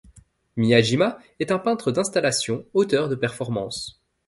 Miyajima est un peintre d'installations, auteur de performances.